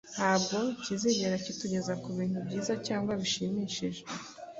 nta bwo kizigera kitugeza ku bintu byiza cyangwa bishimishije,